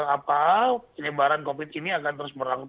apa penyebaran covid ini akan terus berlangsung